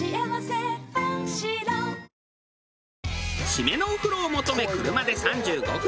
締めのお風呂を求め車で３５分。